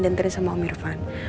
dan tadi sama om irvan